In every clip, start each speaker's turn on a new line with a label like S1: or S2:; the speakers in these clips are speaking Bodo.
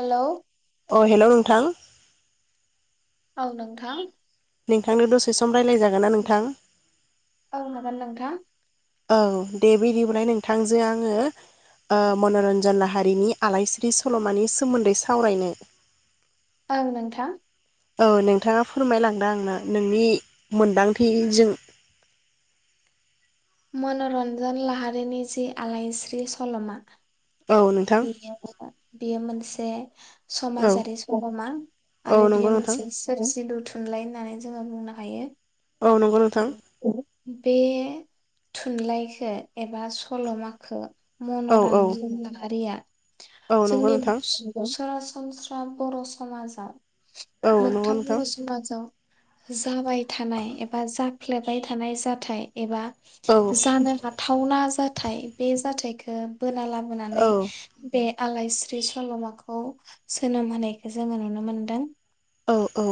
S1: हेलौ
S2: थां
S1: औ नोंथां
S2: नोंथांनो दसे सम रायलाय जागोन ना नोंथां
S1: औ हागोन नोंथां।
S2: औ दे बिदिबालाय नोंथांजों आंङो ओ मन'रन्जन लाहारिनि आलायस्रि सल'मानि सोमोन्दै सावरायनो।
S1: ओं नोंथां।
S2: औ नोंथांङा फोरमायलांदों आंनो नोंनि मोन्दांथिजों।
S1: मन'रन्जन लाहारिनि जि आलायस्रि सल'मा
S2: औ नोंथां
S1: [unintelligible] बेयो मोनसे
S2: औ
S1: समाजारि सल'मा
S2: औ
S1: आरो
S2: नंगौ
S1: बियो
S2: नोंथां
S1: मोनसे सोरजिलु। थुनलाइ होननानै जोंङो बुंनो हायो।
S2: औ नंगौ नोंथां।
S1: बे थुनलाइखौ एबा सल'माखौ
S2: औ औ
S1: मनरजन ला हारिआ।
S2: औ नंगौ
S1: जोंनि
S2: नोंथां
S1: सरासन सरासनस्रा बर' समाजाव
S2: औ नंगौ
S1: मोगथां
S2: नोंथां
S1: बर' समाव जाबाय थानाय एबा जाफ्लेबाय थानाय जाथाय एबा
S2: औ
S1: जानो हाथावना जा जाथाय बे जाथायखौ बोना
S2: औ
S1: लाबोनानै बे आलायस्रि सल'माखौ जोनोम होनायखौ जोङो नुनो मोनदों।
S2: औ औ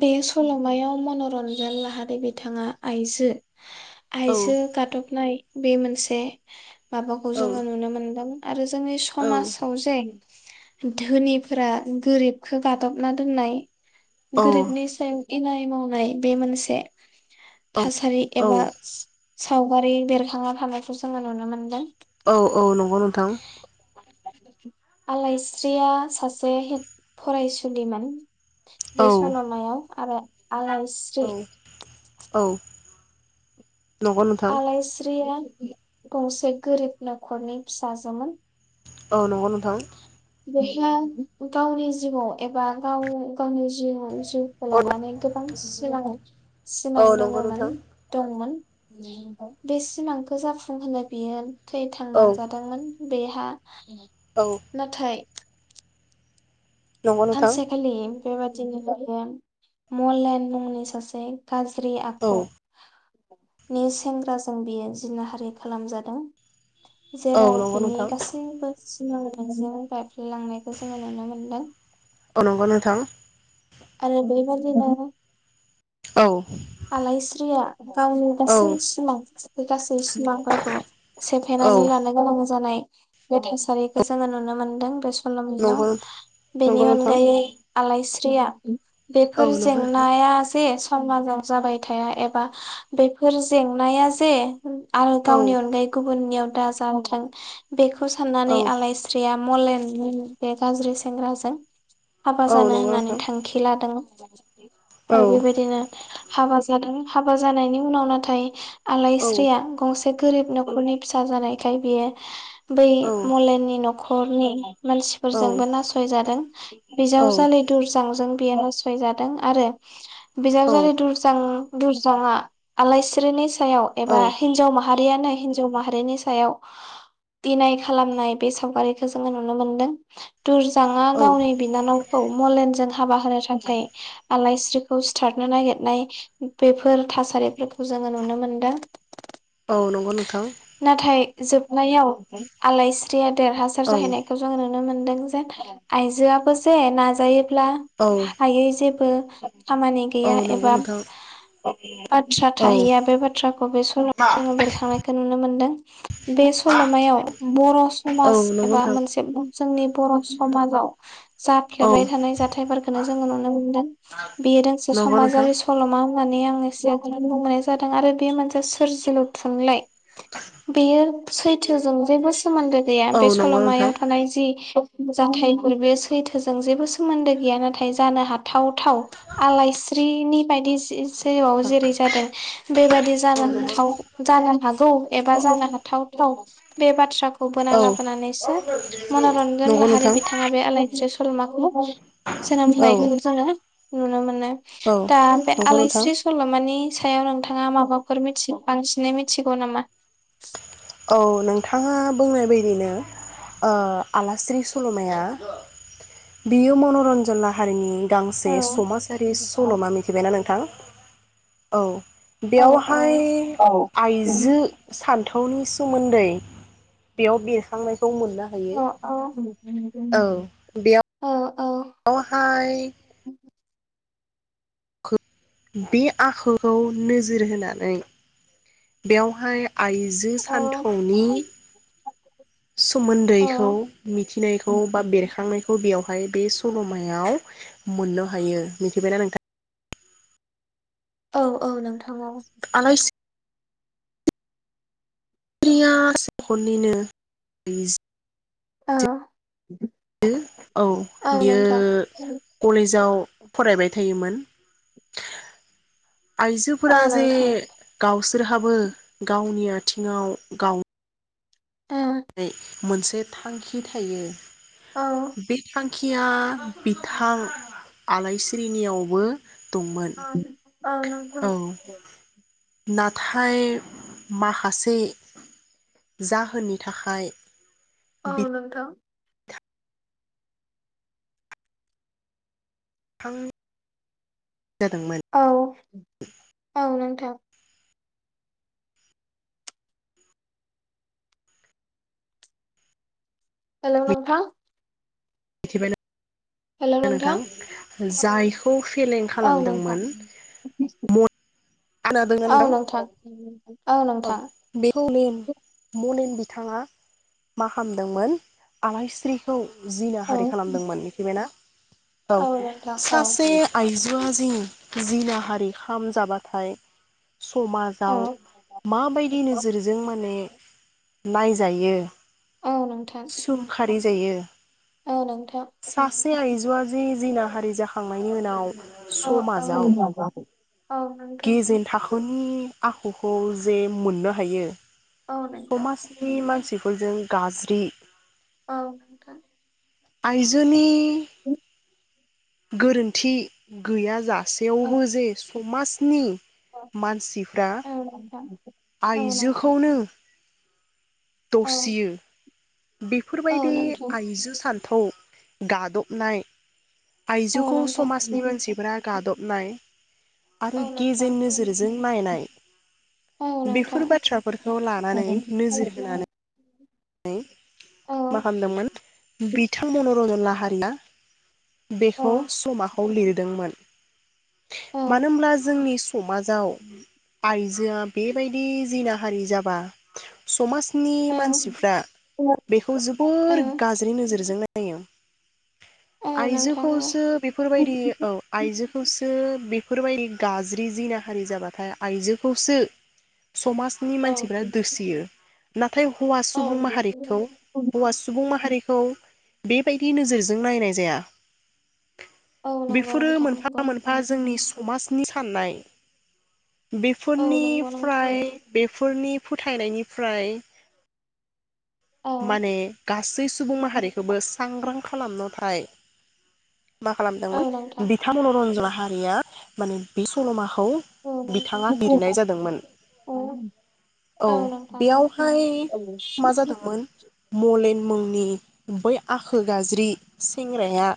S1: बे सल'मायाव मनरन्जन लाहारि बिथाङा आइजो
S2: औ
S1: आइजो गादबनाय बे मोनसे माबाखौ
S2: औ
S1: जोङो नुनो मोनदों आरो जोंनि
S2: औ
S1: समाजाव जे धोनिफोरा गोरिबखौ गादबना दोननाय। गोरिब नि सायाव इनाय मावनाय बे मोनसे। थासारि एबा सावगारि बेरखांना थानायखौ जोङो नुनो मोनदों।
S2: औ औ नंगौ नोंथां।
S1: आलायस्रिया सासे हिन्जावसा फरायसुलिमोन।
S2: औ
S1: बे सलमायाव आरो आलाइस्रि
S2: औ नंगौ नोंथां
S1: आलायस्रिया गंसे गोरिब न'खरनि फिसाजोमोन।
S2: औ नंगौ नोंथां।
S1: बेखौ गावनि जिउआव एबा गाव गावनि जि जिउखौ
S2: औ
S1: लानानै गोबां सिमां सिमां
S2: नंगौ
S1: दोङोमोन
S2: नोंथां
S1: दंमोन। बे सिमांखौ जाफुं होनो बियो थैथां
S2: औ
S1: नाजादोंमोन। बेहा
S2: औ
S1: नाथाय
S2: नंगौ नोंथां
S1: सानसे खालि। बेबायदिनो ज मलेन मुंनि सासे। गाज्रि
S2: औ
S1: आखु। नि सेंग्राजों बियो जिनाहारि खालामजादों।
S2: औ
S1: जेराव
S2: नंगौ
S1: बिनि
S2: नोंथां
S1: गासैबो जि [unintelligible] लांनायखौ जोङो नुनो मोनदों।
S2: औ नंगौ नोंथां
S1: आरो बेै बायदि नों
S2: औ।
S1: आलायस्रिया गावनि
S2: औ
S1: गासै सिमां गासै सिमांफोरखौ
S2: औ
S1: सेफायनानै लानो गोनां जानाय। बे थासारिखौ जोङो नुनो मोनदों बे स खालामियाव
S2: नंगौ नंगौ
S1: बेनि
S2: नोंथां
S1: अनगायै। आलायस्रिया
S2: औ
S1: बेफोर
S2: नंगौ नोंथां
S1: जेंनाया जे समाजा जाबाय थाया एबा बेफोर जेंनाया जे। आरो
S2: औ
S1: गावनि अनगायै गुबुननियाव दा जावथों बेखौ
S2: औ
S1: साननानै आलाइस्रिया मलेन। बे गाज्रि सेंग्राजों हाबा
S2: औ
S1: जानो
S2: नंगौ
S1: होननानै
S2: नोंथां
S1: थांखि लादों।
S2: औ
S1: आरो बेबायदिनो हाबा जादों हाबा जानायनि उनाव नाथाय।
S2: औ
S1: आलइस्रिया गं‌ एसे गोरिब नखरनि फिसा जानायखाय बियो। बै
S2: औ
S1: मलेननि नख खरनि। मानसिफोरजोंबो नासयजादों बिजावजालि दुरजांजों। बे नासय जादों आरो बिजाबजालि दुर अ बुरजा आलायस्रिनि सायाव एबा हिनजाव माहा माहारियानो हिनजाव माहारिनि सायाव इनाय खालामनाय बे सावगारिखौ जोङो नुनो मोनदों दुरजाङा गावनि बिनानावखौ मलेनजों हाबा होनो थाखाय आलायस्रिखौ सिथारनो नागिरनाय बेफोर थासारिफोर फोरखौ जोङो नुनो मोनदों
S2: औ नंगौ नोंथां
S1: नाथाय जोबनायाव आलायस्रिया देरहासार
S2: औ
S1: जाहैनायखौ जोंङो नुनो मोनदों जे आइजोआबो जे नाजायो ब्ला
S2: औ नंगौ नोंथां औ
S1: हायै जेबो [inaudible] खामानि गैया
S2: नंगौ
S1: एबा
S2: नोंथां
S1: बाथ्रा
S2: औ
S1: थाहैया बे बाथ्राखौ बे सल' जोङो बेरखांनायखौ नुनो मोनदों [inaudible] बे सल'मायाव बर' समाज
S2: नंगौ
S1: एबा
S2: नोंथां
S1: मोनसे जोंनि बर' समा जाव
S2: औ
S1: जाफ्लेबाय थानाय जाथायफोरखौनो जोङो नुनो मोनदों बेयो दोंसे
S2: नंगौ नोंथां
S1: समाजारि स मावनानै आङो सिखौनानै बुं मोननाय जादों आरो बेयो मोनसे सोरजिलु थुनलाइ बेयो सैथोजों जेबो सोमोन्दो गैया
S2: औ
S1: बे
S2: नंगौ
S1: सल'मायाव थानाय जि मोजांथायफोर बे सैथोजों जेबो सोमोन्दो गैया नाथाय जानो हा थाव थाव आलइस्रिनि बायदि जे जिउआव जेरै जादों बेबायादि जानो हाथाव जानो हागौ एबा जानो हाथावथाव बे बाथ्रा खौ बोना
S2: औ
S1: लाबोनानैसो मन'रन्जन
S2: नंगौ
S1: लाहारि
S2: नोंथां
S1: बिथाङा बे आलायस्रि सल'माखौ जोनोम
S2: औ
S1: लायखौ जोङो। नुनो मोननाय
S2: औ
S1: दा बे
S2: नंगौ नोंथां
S1: आलायस्रि सल'मानि सायाव नोंथाङा माबाफोर मिथि बांसिनै मिथिगौ नामा?
S2: औ नोंथाङा बुंनाय बायदिनो ओ आलास्रि सल'माया बियो मनरन्जन लाहारिनि।
S1: औ
S2: गांसे समाजारि सल'मा मिथिबायना नोंथां? औ।
S1: औ
S2: बेयावहाय
S1: औ
S2: आइजो सान्थौ उनिस सोमोन्दै बेयाव बेरखांबाय खौ मोननो हायो। औ
S1: अ
S2: बेयावहाय बे आखोखौ नोजोर होनानै बेवहाय आइजो सान्थौनि सोमोन्दैखौ मिथिनायखौ बा बेरखांनायखौ बेयावहा माय बे सल'मायाव मोननो हायो मिथिबायना नोंथां?
S1: औ औ नोंथां। [unintelligible]
S2: आलायस्रिया [unintelligible]
S1: औ।
S2: बि औ
S1: औ
S2: बियो
S1: नोंथां
S2: कलेजाव फरायबाय थायोमोन।
S1: औ
S2: आइजोफोरा जे
S1: नोंथां
S2: गावस फोरहाबो गावनि आथिङाव गाव नै मोनसे थांखि थायो।
S1: ओ औ
S2: बे थांखि खिया बिथां आलायस्रिनियावबो दंमोन
S1: औ नोंथां।
S2: औ नाथाय माखासे जाहोननि थाखाय
S1: औ
S2: बिथां
S1: नोंथां।
S2: थां
S1: औ-औ नोंथां। हेलौ नोंथां।
S2: मिथिबायना? नोंथां जाय खौ फेलें
S1: औ नोंथां
S2: खालामदोंमोन म
S1: औ नोंथां। औ नोंथां
S2: [unintelligible] [inaudible] बिथाङा मा खामदोंमोन आलायस्रिखौ
S1: औ
S2: जिनाहारि खालामदोंमोन मिथिबायना। औ
S1: नोंथां औ
S2: सासे आइजोआ [inaudible] जिनाहारि खामजाबाथाय
S1: औ
S2: समाजाव माबायदि नोजोरजों माने नायजायो।
S1: औ नोंथां
S2: रि जायो।
S1: औ नोंथां
S2: से आइजोआजे जिनाहारि जाखांनायनि उनाव
S1: औ औ औ
S2: समाजाव
S1: नोंथां औ नोंथां
S2: गेजेन थाखोनि आखुखौ जे मोननो हायो।
S1: औ नोंथां
S2: समाजनि मानसि बिखौ जों गाज्रि
S1: औ नोंथां
S2: आयजोनि गोरोन्थि गैया जा
S1: औ
S2: सेयावबो जे समाज नि मानसिफ्रा
S1: औ नोंथां औ नोंथां
S2: आइजोखौनो
S1: औ
S2: दुसियो। बेफोरबायदि
S1: औ नोंथां
S2: आइजो सान खौ गादबनाय
S1: औ
S2: आइजोखौ
S1: नोंथां
S2: समाजनि मानसिफोरा गादब [inaudible] आरो
S1: औ नोंथां
S2: गेजेन नोजोरजों नायनाय
S1: औ
S2: बेफोर
S1: नोंथां
S2: बाथ्राफोरखौ
S1: औ
S2: लानानै
S1: औ
S2: नोजोर [inaudible] [inaudible] मा
S1: औ
S2: खालामदोंमोन बिथां मनरन्जन ला [inaudible] बेखौ
S1: औ
S2: सल'माखौ लिरदोंमोन।
S1: औ
S2: मानो होनब्ला जोंनि समाजाव आइजोआ बेबायदि जिनाहारि जाबा समाज नि
S1: औ
S2: मानसि।
S1: नोंथां
S2: बेखौ जोबोर गाज्रि नोजोरजों नाय जायो। आयजोखौसो बेफोर बायदि औ आइजो खौसो बेफोर बायदि गाज्रि जिनाहारि जाबाथाय आइजोखौसो समाजनि
S1: औ
S2: मानसिफोरा दुसियो। नाथाय हौवासा
S1: औ
S2: सुबुं माहारिखौ हौवा सुबुं माहारि खौ बेबायदि नोजोरजों नायनाय जाया।
S1: औ नंगौ
S2: बेफोरो
S1: नोंथां
S2: मोनफा
S1: नंगौ
S2: मोनफा जोंनि समाजनि साननाय।
S1: औ नंगौ
S2: बेफोरनिफ्राय
S1: नोंथां
S2: बेफोरनि फोथायनायनिफ्राय।
S1: औ
S2: माने गास गासै सुबुं माहारिखौबो सांग्रां खालामनो थाय। मा
S1: औ नोंथां
S2: खालामदोंमोन बिथां मन'रन्जन ला हारिया माने बे सल'मा। खौ
S1: औ नोंथां
S2: बिथाङा लिरनाय जादोंमोन
S1: औ
S2: औ बेयावहाय मा
S1: औ
S2: जादोंमोन। मलेन मुंनि बै आखल गाज्रि सेंग्राया।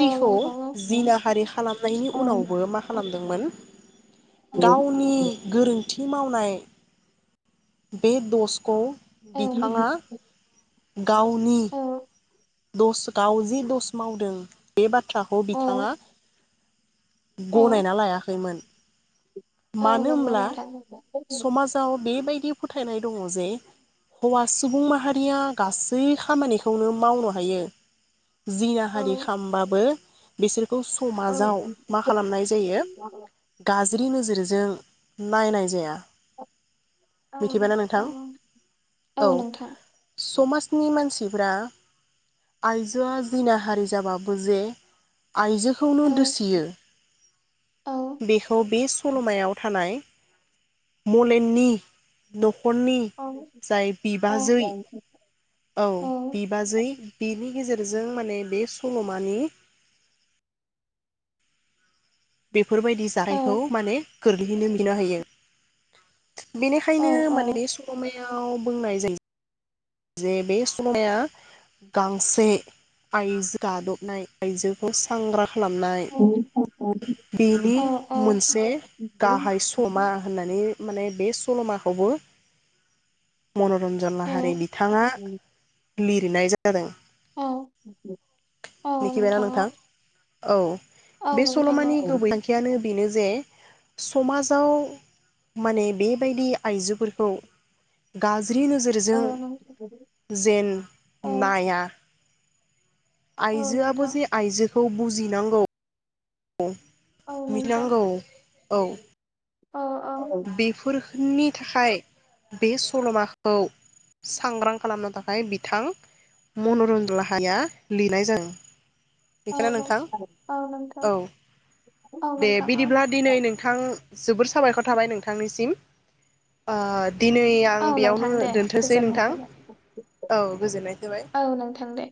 S1: औ नोंथां औ
S2: जिनाहारि खालामनायनि
S1: औ
S2: उनावबो मा खालामदों। [inaudible]
S1: औ
S2: गावनि गोरोन्थि मावनाय बे दसखौ
S1: औ।
S2: बिथाङा गावनि दस गाव जि दस मावदों बे बाथ्राखौ
S1: औ
S2: बिथाङा
S1: औ
S2: गनायना लायाखैमोन।
S1: औ
S2: मानो
S1: नंगौ
S2: होमब्ला
S1: नोंथां नंगौ।
S2: समाजाव बेबायदि फोथायनाय दङ जे। हौवा सुबुं माहारिया गासै खामानिखौनो मावनो हायो।
S1: औ
S2: जिनाहारि खालामबाबो बिसोर
S1: औ
S2: समाव मा खालामनाय जायो जिरि नोजोरजों नायनाय जाया। मिथिबाय ना नोंथां। औ समाजनि मानसिफ्रा आइजोआ जिनाहारि जाबाबो जे
S1: औ
S2: आइजोखौनो दुसियो
S1: औ
S2: बेखौ बे सलमायाव थानाय मलेननि न
S1: औ औ औ औ
S2: बिबाजै औ बिबाजै बिनि गेजेरजों माने बे सल'मानि बेफोरबायदि
S1: औ नोंथां
S2: जाहानायखौ माने गोरलैयैनो मिनो हायो। [inaudible] बेनिखायनो माने बे सलमाया बुंनाय जायो। जे बे समाया गांसे आइजो गादबनाय आइजोखौ सांग्रां खालामनाय बेनि मोनसे गाहाय समा होननानै माने बे सलमाखौबो मनरन्जन लाहारिनि थाङा लिरनाय जादों।
S1: औ औ
S2: मिथिबायना नोंथां औ बे
S1: नोंथां औ नोंथां औ
S2: सलमानि गुबै थांखियानो बेनो जे समाजाव माने बेबायदि आइजोफोरखौ गा ज्रि‌ नोजोरजों जेन नाया
S1: औ
S2: आइजोआबो
S1: नोंथां
S2: जे आइजो खौ बुजिनांगौ
S1: औ नोंथां
S2: मिनांगौ औ
S1: औ औ
S2: बेफोर नि थाखाय बे सल'माखौ सांग्रां खालामनो थाखाय बिथां मनरन लाहारि या लिरनाय जादों
S1: औ
S2: बेखौनो नोंथां
S1: औ नोंथां
S2: औ
S1: औ
S2: दे
S1: नोंथां
S2: बिदिब्ला दिनै
S1: औ
S2: नोंथां जोबोर साबायखर थाबाय नोंथांनिसिम ओ दिनै आं
S1: औ नोंथां
S2: बेयावनो
S1: दे
S2: दोनथोंसै
S1: गोजोननाय
S2: नोंथां
S1: थाबाय
S2: औ गोजोननाय थाबाय
S1: औ नोंथां दे